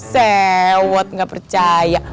sewot gak percaya